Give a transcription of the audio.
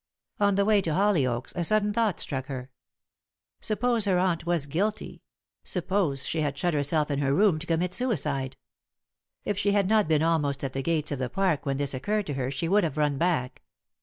On the way to Hollyoaks a sudden thought struck her. Suppose her aunt were guilty suppose she had shut herself in her room to commit suicide! If she had not been almost at the gates of the park when this occurred to her she would have run back.